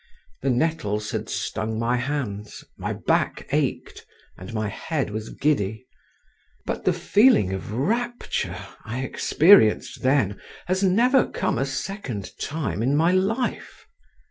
The nettles had stung my hands, my back ached, and my head was giddy; but the feeling of rapture I experienced then has never come a second time in my life.